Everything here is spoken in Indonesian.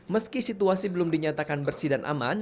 meski situasi belum dinyatakan bersih dan aman